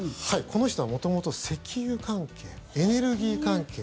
この人は元々石油関係、エネルギー関係。